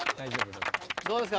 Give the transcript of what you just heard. どうですか？